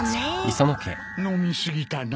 飲み過ぎたな。